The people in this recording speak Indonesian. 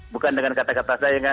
bukan dengan kata kata saya